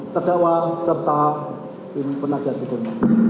terdakwa serta tim penasihat hukum